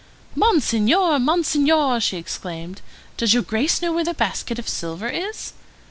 "Monseigneur, Monseigneur!" she exclaimed, "does your Grace know where the basket of silver is?"